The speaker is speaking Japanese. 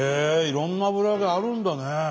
いろんな油揚げあるんだね。